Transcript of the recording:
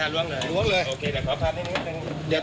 ล้องเลย